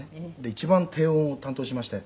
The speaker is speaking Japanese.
「一番低音を担当しまして」